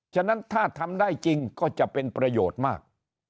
ฉะนั้นถ้าทำได้จริงก็จะเป็นประโยชน์มาก